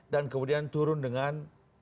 dan kemudian turun dengan